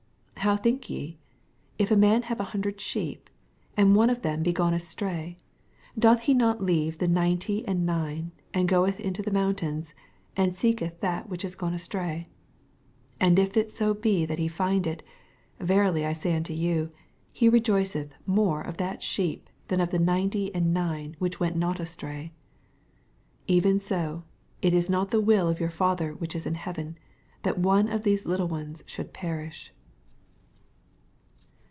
12 How think ye? if a man have an hundred sheep, and one of them be gone astray, doth he not leave the ninety and nine, and goeth iuto the mountains, and seeketh that which ia gone astray ? 18 And if so be that he find it, ve rily I say unto you, he rejoioeth mora of that sheepj tnan of the ninety and nine which went not astray. 14 Even so it is not the will of your Father which is in heaven, that one of these little ones should perish.